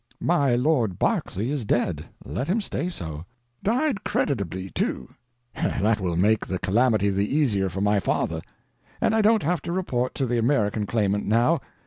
My Lord Berkeley is dead—let him stay so. Died creditably, too; that will make the calamity the easier for my father. And I don't have to report to the American Claimant, now.